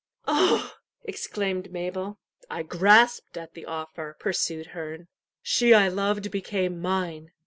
"Oh!" exclaimed Mabel. "I grasped at the offer," pursued Herne. "She I loved became mine.